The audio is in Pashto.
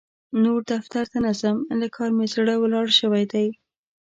نور دفتر ته نه ځم؛ له کار مې زړه ولاړ شوی دی.